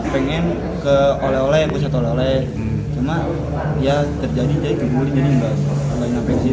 pengen ke oleh oleh dua ya terjadi jadi broth gc rencana itu memang tellsum pulang ke jakarta